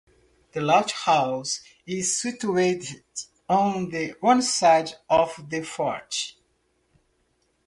The lighthouse is situated on one side of the fort.